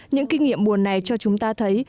những kinh nghiệm buồn này cho chúng ta thấy